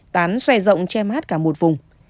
tán xòe rộng che mát cả một vùng